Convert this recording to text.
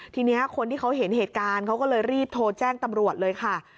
ทีนี้คนที่เขาเห็นเหตุการณ์เขาก็เลยรีบโทรแจ้งตำรวจเลยค่ะ